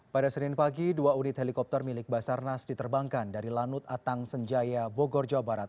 pada senin pagi dua unit helikopter milik basarnas diterbangkan dari lanut atang senjaya bogor jawa barat